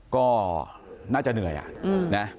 ก็น่าจะเหนื่อยนะ